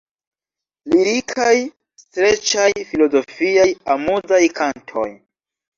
Lirikaj, streĉaj, filozofiaj, amuzaj kantoj.